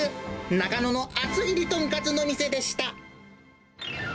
中野の厚切りとんかつの店でした。